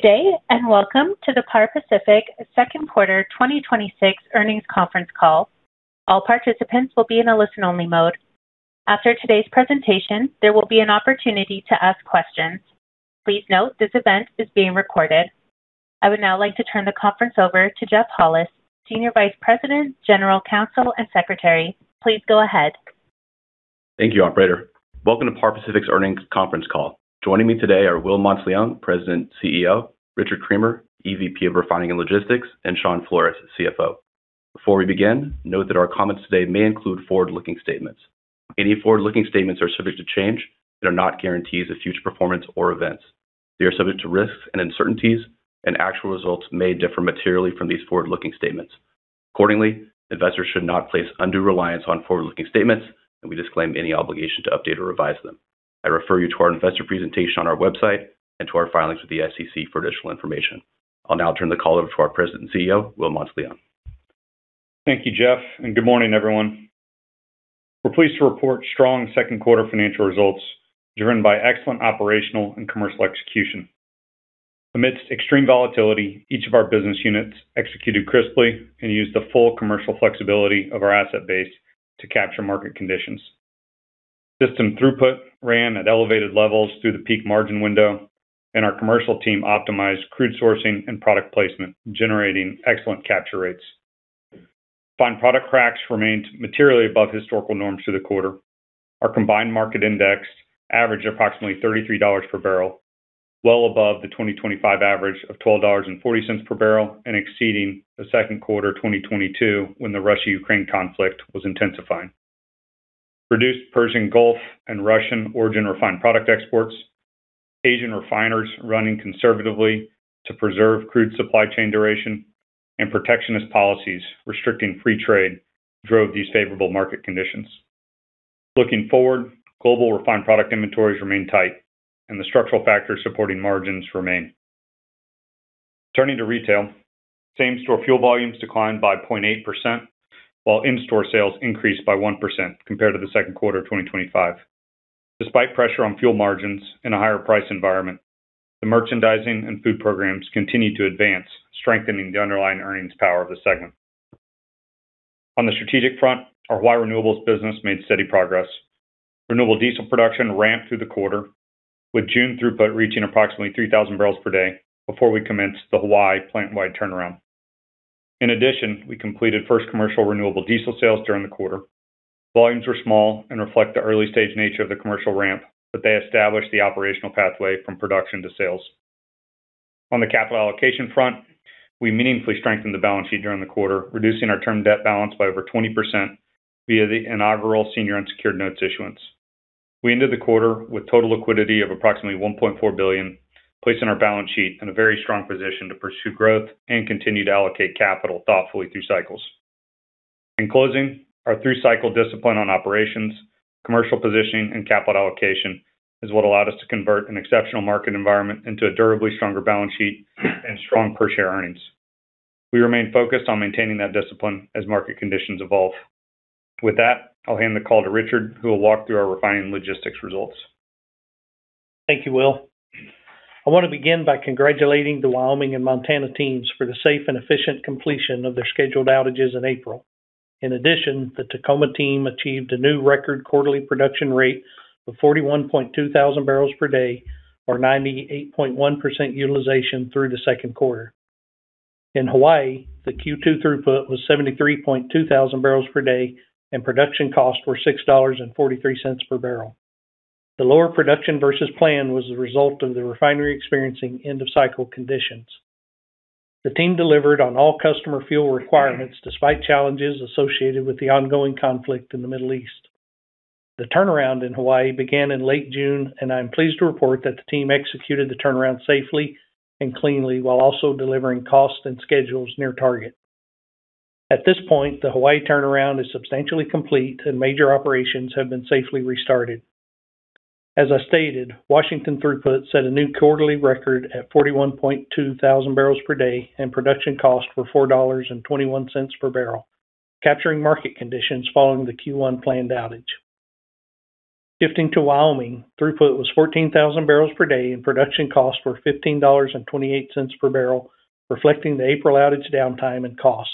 Good day. Welcome to the Par Pacific second quarter 2026 earnings conference call. All participants will be in a listen-only mode. After today's presentation, there will be an opportunity to ask questions. Please note this event is being recorded. I would now like to turn the conference over to Jeff Hollis, Senior Vice President, General Counsel, and Secretary. Please go ahead. Thank you, operator. Welcome to Par Pacific's earnings conference call. Joining me today are Will Monteleone, President and CEO, Richard Creamer, EVP of Refining and Logistics, and Shawn Flores, CFO. Before we begin, note that our comments today may include forward-looking statements. Any forward-looking statements are subject to change and are not guarantees of future performance or events. They are subject to risks and uncertainties. Actual results may differ materially from these forward-looking statements. Accordingly, investors should not place undue reliance on forward-looking statements. We disclaim any obligation to update or revise them. I refer you to our investor presentation on our website and to our filings with the SEC for additional information. I'll now turn the call over to our President and CEO, Will Monteleone. Thank you, Jeff. Good morning, everyone. We're pleased to report strong second-quarter financial results driven by excellent operational and commercial execution. Amidst extreme volatility, each of our business units executed crisply and used the full commercial flexibility of our asset base to capture market conditions. System throughput ran at elevated levels through the peak margin window. Our commercial team optimized crude sourcing and product placement, generating excellent capture rates. Fine product cracks remained materially above historical norms through the quarter. Our combined market index averaged approximately $33 per bbl, well above the 2025 average of $12.40 per bbl and exceeding the second quarter of 2022 when the Russia-Ukraine conflict was intensifying. Reduced Persian Gulf and Russian origin refined product exports, Asian refiners running conservatively to preserve crude supply chain duration, and protectionist policies restricting free trade drove these favorable market conditions. Looking forward, global refined product inventories remain tight. The structural factors supporting margins remain. Turning to retail, same-store fuel volumes declined by 0.8%, while in-store sales increased by 1% compared to the second quarter of 2025. Despite pressure on fuel margins in a higher price environment, the merchandising and food programs continued to advance, strengthening the underlying earnings power of the segment. On the strategic front, our Hawaii renewables business made steady progress. renewable diesel production ramped through the quarter, with June throughput reaching approximately 3,000 bbl per day before we commenced the Hawaii plant-wide turnaround. In addition, we completed the first commercial renewable diesel sales during the quarter. Volumes were small and reflect the early-stage nature of the commercial ramp. They established the operational pathway from production to sales. On the capital allocation front, we meaningfully strengthened the balance sheet during the quarter, reducing our term debt balance by over 20% via the inaugural senior unsecured notes issuance. We ended the quarter with total liquidity of approximately $1.4 billion, placing our balance sheet in a very strong position to pursue growth and continue to allocate capital thoughtfully through cycles. In closing, our through-cycle discipline on operations, commercial positioning, and capital allocation is what allowed us to convert an exceptional market environment into a durably stronger balance sheet and strong per-share earnings. We remain focused on maintaining that discipline as market conditions evolve. With that, I'll hand the call to Richard, who will walk through our refining logistics results. Thank you, Will. I want to begin by congratulating the Wyoming and Montana teams for the safe and efficient completion of their scheduled outages in April. In addition, the Tacoma team achieved a new record quarterly production rate of 41,200 bbl per day, or 98.1% utilization through the second quarter. In Hawaii, the Q2 throughput was 73,200 bbl per day, and production costs were $6.43 per bbl. The lower production versus plan was the result of the refinery experiencing end-of-cycle conditions. The team delivered on all customer fuel requirements despite challenges associated with the ongoing conflict in the Middle East. The turnaround in Hawaii began in late June, and I am pleased to report that the team executed the turnaround safely and cleanly while also delivering costs and schedules near target. At this point, the Hawaii turnaround is substantially complete, and major operations have been safely restarted. As I stated, Washington throughput set a new quarterly 41,200 bbl per day, and production costs were $4.21 per bbl, capturing market conditions following the Q1 planned outage. Shifting to Wyoming, throughput was 14,000 bbl per day, and production costs were $15.28 per bbl, reflecting the April outage downtime and costs.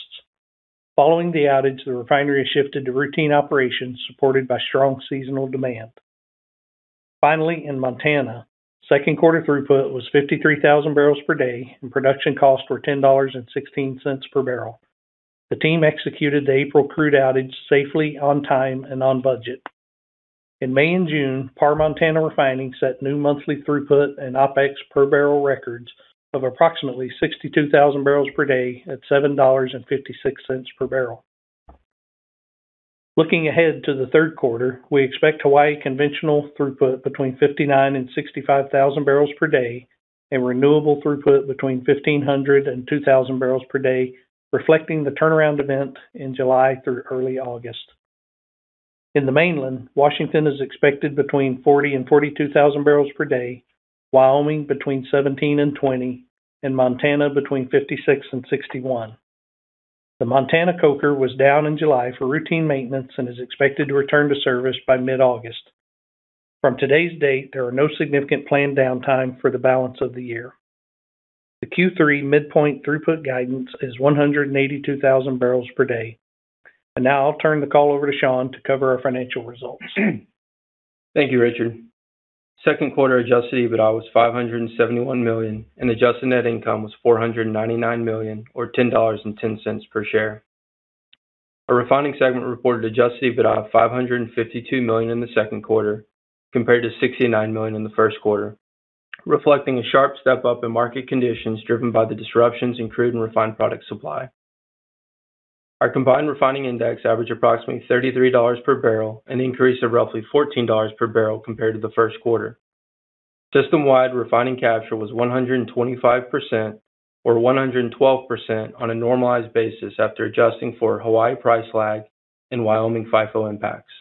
Following the outage, the refinery shifted to routine operations supported by strong seasonal demand. In Montana, second quarter throughput was 53,000 bbl per day, and production costs were $10.16 per bbl. The team executed the April crude outage safely, on time, and on budget. In May and June, Par Montana refining set new monthly throughput and OpEx per barrel records of approximately 62,000 bbl per day at $7.56 per bbl. Looking ahead to the third quarter, we expect Hawaii conventional throughput between 59,000 bbl per day and 65,000 bbl per day and renewable throughput between 1,500 bbl per day and 2,000 bbl per day, reflecting the turnaround event in July through early August. In the mainland, Washington is expected between 40,000 bbl per dayand 42,000 bbl per day, Wyoming between 17,000 bbl per day and 20,000 bbl per day, and Montana between 56,000 bbl per day and 61,000 bbl per day. The Montana coker was down in July for routine maintenance and is expected to return to service by mid-August. From today's date, there are no significant planned downtime for the balance of the year. The Q3 midpoint throughput guidance is 182,000 bbl per day. Now I'll turn the call over to Shawn to cover our financial results. Thank you, Richard. Second quarter adjusted EBITDA was $571 million and adjusted net income was $499 million or $10.10 per share. Our refining segment reported adjusted EBITDA of $552 million in the second quarter compared to $69 million in the first quarter, reflecting a sharp step-up in market conditions driven by the disruptions in crude and refined product supply. Our combined refining index averaged approximately $33 per bbl, an increase of roughly $14 per bbl compared to the first quarter. System-wide refining capture was 125%, or 112% on a normalized basis after adjusting for Hawaii price lag and Wyoming FIFO impacts.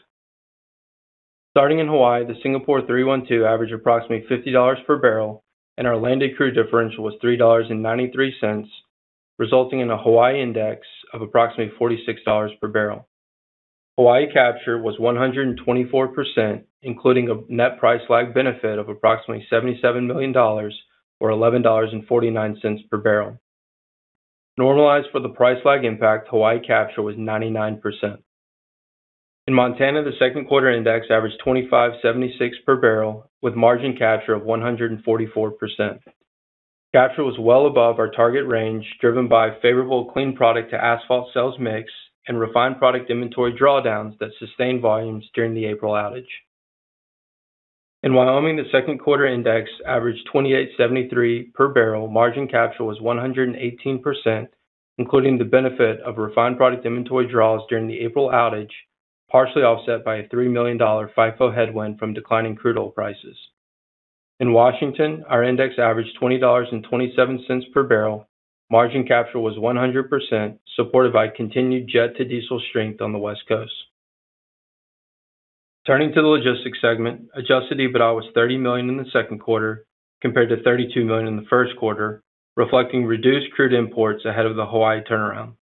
Starting in Hawaii, the Singapore 3-1-2 averaged approximately $50 per bbl, and our landed crude differential was $3.93, resulting in a Hawaii index of approximately $46 per bbl. Hawaii capture was 124%, including a net price lag benefit of approximately $77 million or $11.49 per bbl. Normalized for the price lag impact, Hawaii capture was 99%. In Montana, the second quarter index averaged $25.76 per bbl with margin capture of 144%. Capture was well above our target range, driven by favorable clean product to asphalt sales mix and refined product inventory drawdowns that sustained volumes during the April outage. In Wyoming, the second quarter index averaged $28.73 per bbl. Margin capture was 118%, including the benefit of refined product inventory draws during the April outage, partially offset by a $3 million FIFO headwind from declining crude oil prices. In Washington, our index averaged $20.27 per bbl. Margin capture was 100%, supported by continued jet-to-diesel strength on the West Coast. Turning to the logistics segment, adjusted EBITDA was $30 million in the second quarter compared to $32 million in the first quarter, reflecting reduced crude imports ahead of the Hawaii turnaround.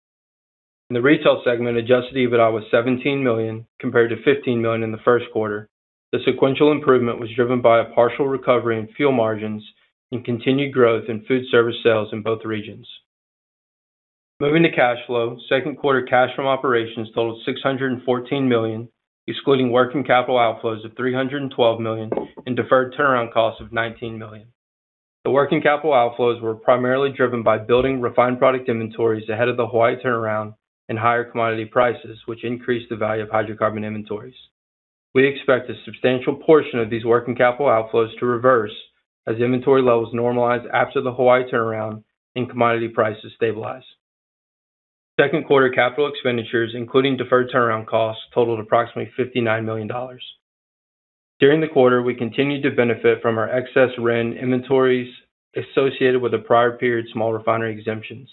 In the retail segment, adjusted EBITDA was $17 million compared to $15 million in the first quarter. The sequential improvement was driven by a partial recovery in fuel margins and continued growth in food service sales in both regions. Moving to cash flow, second quarter cash from operations totaled $614 million, excluding working capital outflows of $312 million and deferred turnaround costs of $19 million. The working capital outflows were primarily driven by building refined product inventories ahead of the Hawaii turnaround and higher commodity prices, which increased the value of hydrocarbon inventories. We expect a substantial portion of these working capital outflows to reverse as inventory levels normalize after the Hawaii turnaround and commodity prices stabilize. Second quarter capital expenditures, including deferred turnaround costs, totaled approximately $59 million. During the quarter, we continued to benefit from our excess RIN inventories associated with the prior period small refinery exemptions.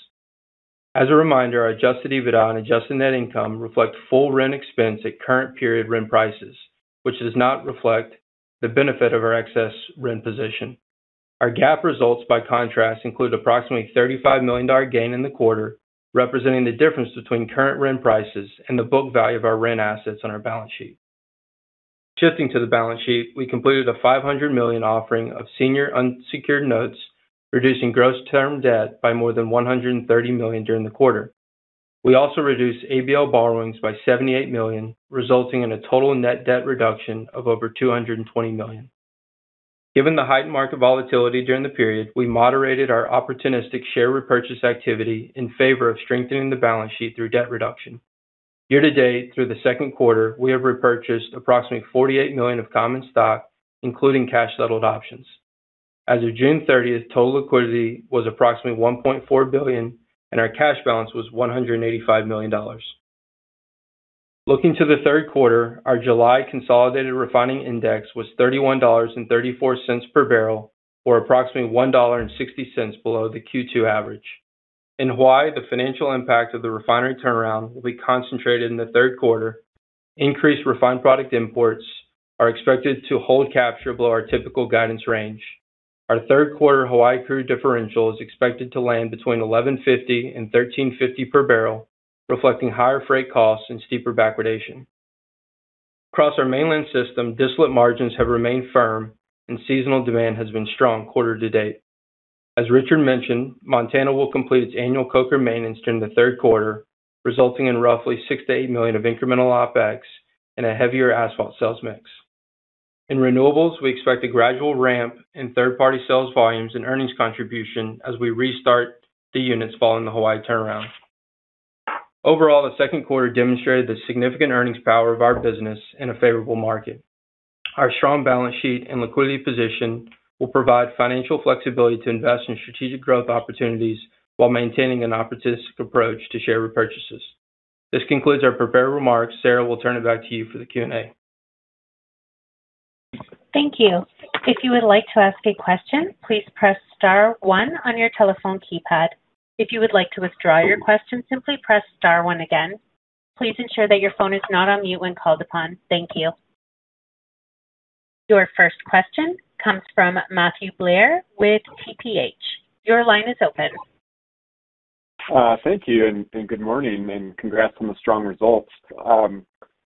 As a reminder, our adjusted EBITDA and adjusted net income reflect full RIN expense at current period RIN prices, which does not reflect the benefit of our excess RIN position. Our GAAP results, by contrast, include approximately $35 million gain in the quarter, representing the difference between current RIN prices and the book value of our RIN assets on our balance sheet. Shifting to the balance sheet, we completed a $500 million offering of senior unsecured notes, reducing gross term debt by more than $130 million during the quarter. We also reduced ABL borrowings by $78 million, resulting in a total net debt reduction of over $220 million. Given the heightened market volatility during the period, we moderated our opportunistic share repurchase activity in favor of strengthening the balance sheet through debt reduction. Year-to-date, through the second quarter, we have repurchased approximately $48 million of common stock, including cash-settled options. As of June 30th, total liquidity was approximately $1.4 billion and our cash balance was $185 million. Looking to the third quarter, our July consolidated refining index was $31.34 per bbl or approximately $1.60 below the Q2 average. In Hawaii, the financial impact of the refinery turnaround will be concentrated in the third quarter. Increased refined product imports are expected to hold capture below our typical guidance range. Our third quarter Hawaii crude differential is expected to land between $11.50 and $13.50 per bbl, reflecting higher freight costs and steeper backwardation. Across our mainland system, distillate margins have remained firm and seasonal demand has been strong quarter-to-date. As Richard mentioned, Montana will complete its annual coker maintenance during the third quarter, resulting in roughly $6 million-$8 million of incremental OpEx and a heavier asphalt sales mix. In renewables, we expect a gradual ramp in third-party sales volumes and earnings contribution as we restart the units following the Hawaii turnaround. Overall, the second quarter demonstrated the significant earnings power of our business in a favorable market. Our strong balance sheet and liquidity position will provide financial flexibility to invest in strategic growth opportunities while maintaining an opportunistic approach to share repurchases. This concludes our prepared remarks. Sarah will turn it back to you for the Q&A. Thank you. If you would like to ask a question, please press star one on your telephone keypad. If you would like to withdraw your question, simply press star one again. Please ensure that your phone is not on mute when called upon. Thank you. Your first question comes from Matthew Blair with TPH. Your line is open. Thank you. Good morning, and congrats on the strong results. I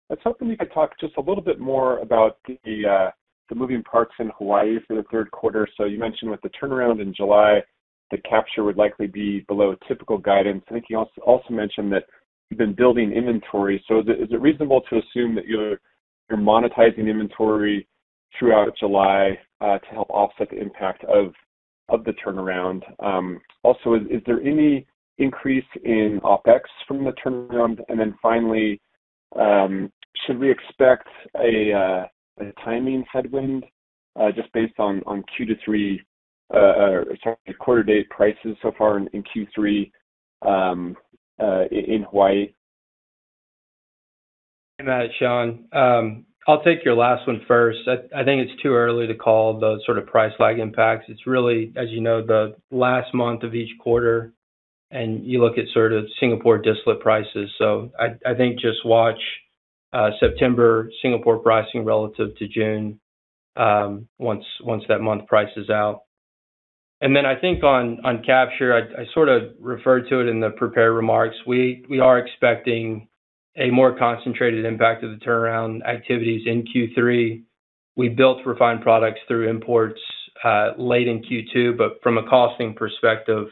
was hoping you could talk just a little bit more about the moving parts in Hawaii for the third quarter. You mentioned with the turnaround in July, the capture would likely be below typical guidance. I think you also mentioned that you've been building inventory. Is it reasonable to assume that you're monetizing inventory throughout July to help offset the impact of the turnaround? Also, is there any increase in OpEx from the turnaround? Finally, should we expect a timing headwind just based on quarter-to-date prices so far in Q3 in Hawaii? Matt, it's Shawn. I'll take your last one first. I think it's too early to call those sort of price lag impacts. It's really, as you know, the last month of each quarter, you look at sort of Singapore distillate prices. I think just watch September Singapore pricing relative to June once that month prices out. Then I think on capture, I sort of referred to it in the prepared remarks. We are expecting a more concentrated impact of the turnaround activities in Q3. We built refined products through imports late in Q2, but from a costing perspective,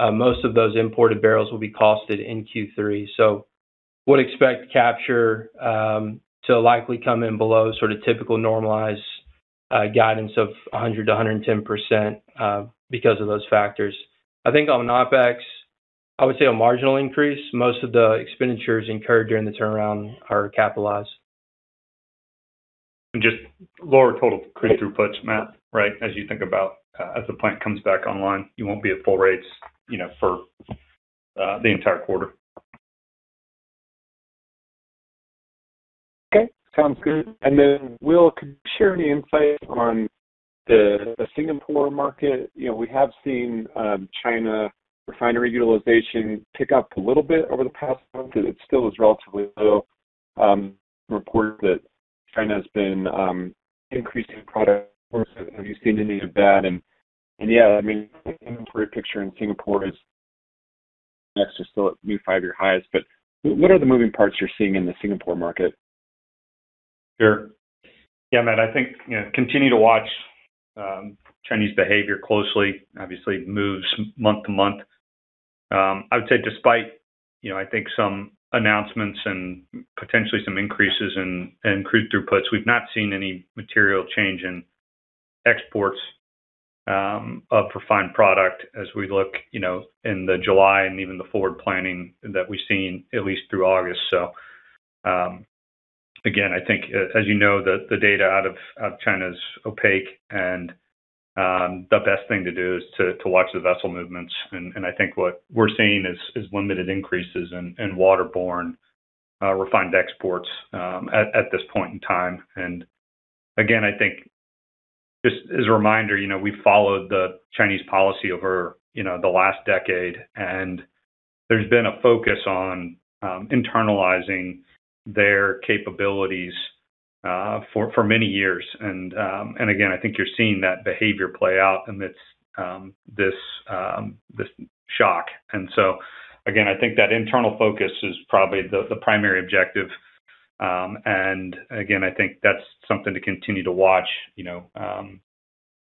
most of those imported barrels will be costed in Q3. Would expect capture to likely come in below sort of typical normalized guidance of 100%-110% because of those factors. I think on OpEx, I would say a marginal increase. Most of the expenditures incurred during the turnaround are capitalized. Just lower total crude throughputs, Matt, right? As you think about as the plant comes back online, you won't be at full rates for the entire quarter. Okay. Sounds good. Then Will, could you share any insight on the Singapore market? We have seen China refinery utilization tick up a little bit over the past month. It still is relatively low. Reports that China has been increasing product imports. Have you seen any of that? And yeah, the inventory picture in Singapore is just still at new five-year highs. What are the moving parts you're seeing in the Singapore market? Sure. Yeah, Matt, I think continue to watch Chinese behavior closely. Obviously, it moves month to month. I would say despite I think some announcements and potentially some increases in crude throughputs, we've not seen any material change in exports of refined product as we look in the July and even the forward planning that we've seen at least through August. Again, I think as you know, the data out of China is opaque and the best thing to do is to watch the vessel movements. I think what we're seeing is limited increases in waterborne refined exports at this point in time. Again, I think just as a reminder, we've followed the Chinese policy over the last decade and there's been a focus on internalizing their capabilities for many years. Again, I think you're seeing that behavior play out amidst this shock. Again, I think that internal focus is probably the primary objective. Again, I think that's something to continue to watch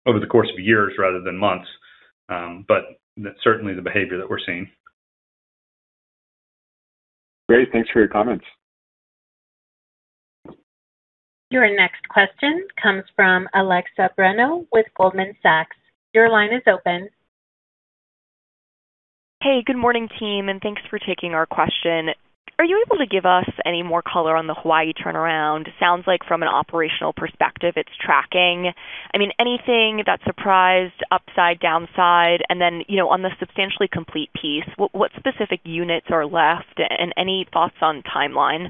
over the course of years rather than months. That's certainly the behavior that we're seeing. Great. Thanks for your comments. Your next question comes from Alexa Breno with Goldman Sachs. Your line is open. Good morning team, thanks for taking our question. Are you able to give us any more color on the Hawaii turnaround? Sounds like from an operational perspective, it's tracking. Anything that surprised upside, downside? On the substantially complete piece, what specific units are left, and any thoughts on timeline?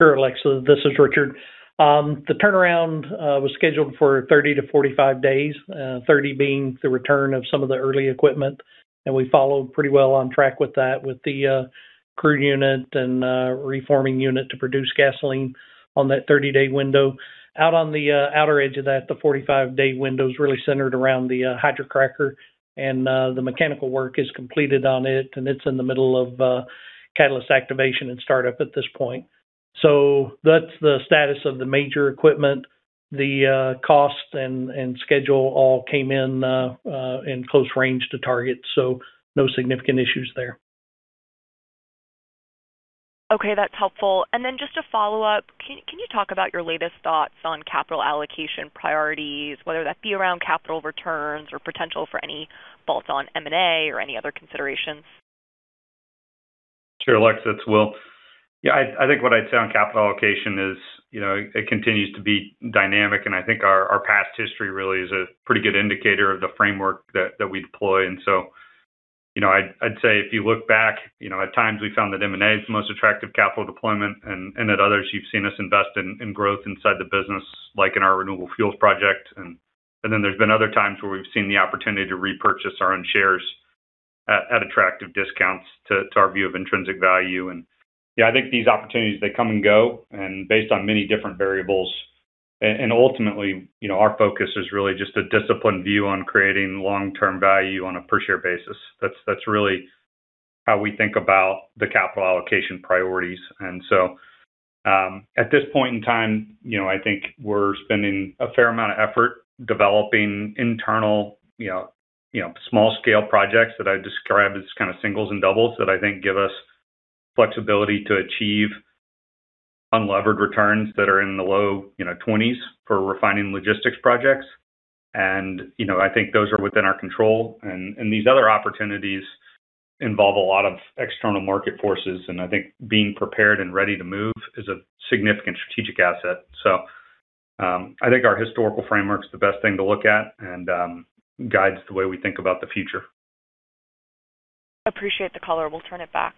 Sure, Alexa, this is Richard. The turnaround was scheduled for 30-45 days, 30 being the return of some of the early equipment. We followed pretty well on track with that with the crude unit and reforming unit to produce gasoline on that 30-day window. Out on the outer edge of that, the 45-day window is really centered around the hydrocracker. The mechanical work is completed on it's in the middle of catalyst activation and startup at this point. That's the status of the major equipment. The cost and schedule all came in close range to target. No significant issues there. That's helpful. Just a follow-up. Can you talk about your latest thoughts on capital allocation priorities, whether that be around capital returns or potential for any thoughts on M&A or any other considerations? Sure, Alexa, it's Will. I think what I'd say on capital allocation is it continues to be dynamic. I think our past history really is a pretty good indicator of the framework that we deploy. I'd say if you look back, at times we found that M&A is the most attractive capital deployment. At others you've seen us invest in growth inside the business, like in our renewable fuels project. There's been other times where we've seen the opportunity to repurchase our own shares. At attractive discounts to our view of intrinsic value. I think these opportunities, they come and go, based on many different variables. Ultimately, our focus is really just a disciplined view on creating long-term value on a per-share basis. That's really how we think about the capital allocation priorities. At this point in time, I think we're spending a fair amount of effort developing internal small-scale projects that I describe as kind of singles and doubles that I think give us flexibility to achieve unlevered returns that are in the low 20s for refining logistics projects. I think those are within our control. These other opportunities involve a lot of external market forces, and I think being prepared and ready to move is a significant strategic asset. I think our historical framework is the best thing to look at and guides the way we think about the future. Appreciate the color. We'll turn it back.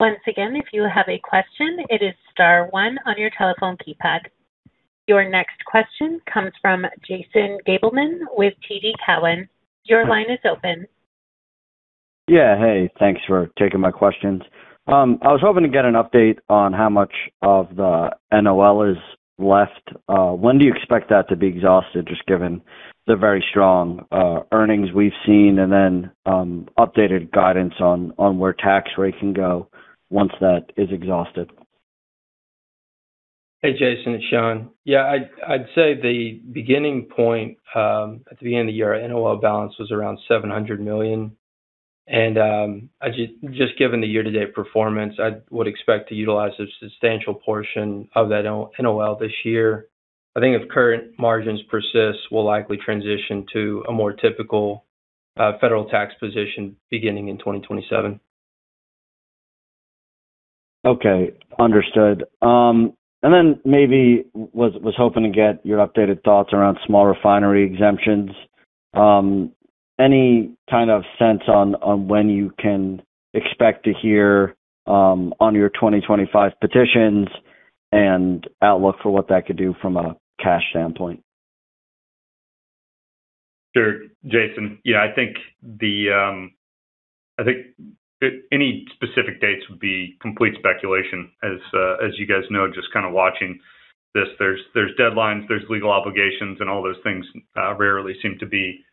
Once again, if you have a question, it is star one on your telephone keypad. Your next question comes from Jason Gabelman with TD Cowen. Your line is open. Yeah. Hey. Thanks for taking my questions. I was hoping to get an update on how much of the NOL is left. When do you expect that to be exhausted, just given the very strong earnings we've seen, and then updated guidance on where tax rate can go once that is exhausted? Hey, Jason, it's Shawn. Yeah, I'd say the beginning point, at the end of the year, our NOL balance was around $700 million. Just given the year-to-date performance, I would expect to utilize a substantial portion of that NOL this year. I think if current margins persist, we'll likely transition to a more typical federal tax position beginning in 2027. Okay. Understood. Maybe was hoping to get your updated thoughts around small refinery exemptions. Any kind of sense on when you can expect to hear on your 2025 petitions and outlook for what that could do from a cash standpoint? Sure. Jason. I think any specific dates would be complete speculation, as you guys know, just kind of watching this. There's deadlines, there's legal obligations, all those things rarely seem to be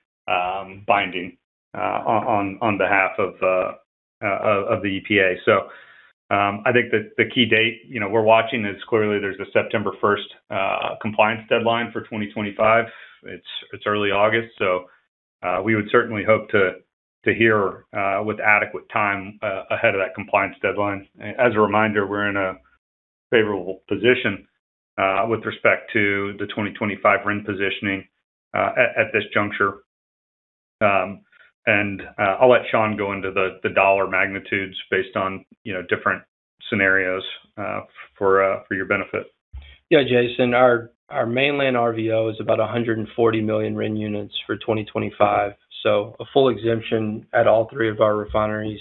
binding on behalf of the EPA. I think that the key date we're watching is clearly there's a September 1st compliance deadline for 2025. It's early August, we would certainly hope to hear with adequate time ahead of that compliance deadline. As a reminder, we're in a favorable position with respect to the 2025 RIN positioning at this juncture. I'll let Shawn go into the dollar magnitudes based on different scenarios for your benefit. Jason, our mainland RVO is about 140 million RIN units for 2025. A full exemption at all three of our refineries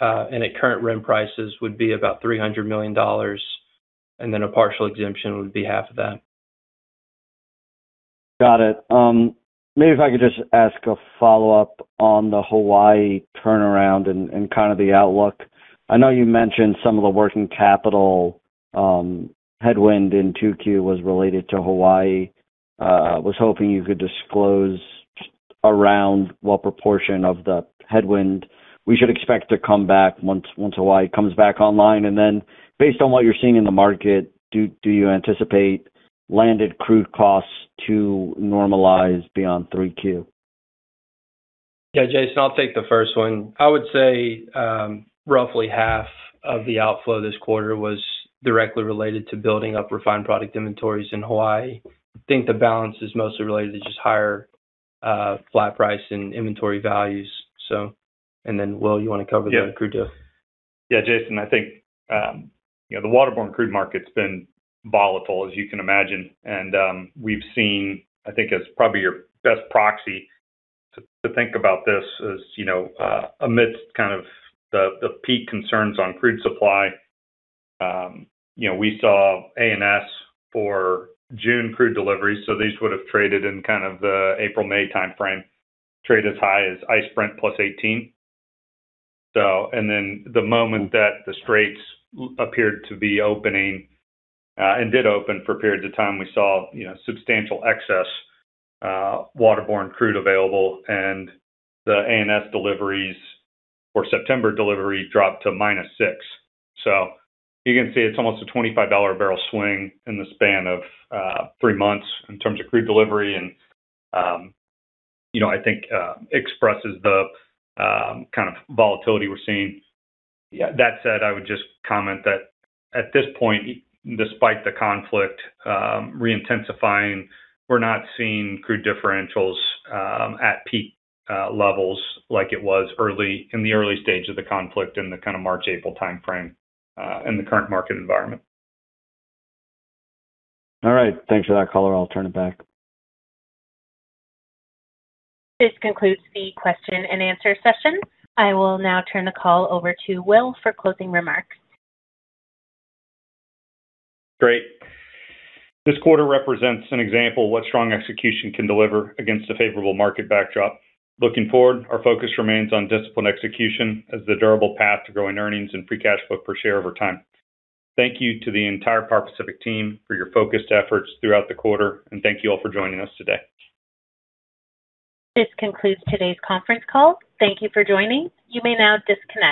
and at current RIN prices would be about $300 million, a partial exemption would be half of that. Got it. Maybe if I could just ask a follow-up on the Hawaii turnaround and kind of the outlook. I know you mentioned some of the working capital headwind in 2Q was related to Hawaii. Was hoping you could disclose around what proportion of the headwind we should expect to come back once Hawaii comes back online. And then based on what you're seeing in the market, do you anticipate landed crude costs to normalize beyond 3Q? Yeah, Jason, I'll take the first one. I would say roughly half of the outflow this quarter was directly related to building up refined product inventories in Hawaii. I think the balance is mostly related to just higher flat price and inventory values. Will, you want to cover the crude deal? Yeah, Jason, I think the waterborne crude market's been volatile, as you can imagine. We've seen, I think as probably your best proxy to think about this is, amidst kind of the peak concerns on crude supply, we saw ANS for June crude deliveries, so these would have traded in kind of the April-May timeframe, trade as high as ICE Brent +$18. The moment that the straits appeared to be opening, and did open for periods of time, we saw substantial excess waterborne crude available, and the ANS deliveries or September delivery dropped to -6%. You can see it's almost a $25 a barrel swing in the span of three months in terms of crude delivery and, I think expresses the kind of volatility we're seeing. That said, I would just comment that at this point, despite the conflict re-intensifying, we're not seeing crude differentials at peak levels like it was in the early stage of the conflict in the kind of March-April timeframe, in the current market environment. All right. Thanks for that, caller. I'll turn it back. This concludes the question and answer session. I will now turn the call over to Will for closing remarks. Great. This quarter represents an example of what strong execution can deliver against a favorable market backdrop. Looking forward, our focus remains on disciplined execution as the durable path to growing earnings and free cash flow per share over time. Thank you to the entire Par Pacific team for your focused efforts throughout the quarter, and thank you all for joining us today. This concludes today's conference call. Thank you for joining. You may now disconnect.